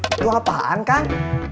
itu apaan kak